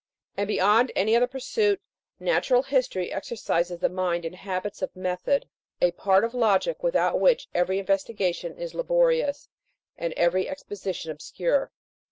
And beyond any other pursuit, natural history exercises the mind in habits of method, a part of logic with out which every investigation is laborious, and every exposition obscure.